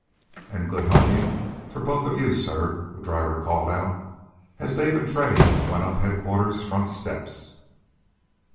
"And good hunting for both of you, sir!" the driver called out as Dave and Freddy went up Headquarters front steps.